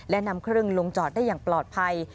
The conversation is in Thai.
และนำเครื่องลงจอดได้อย่างปลอดภัย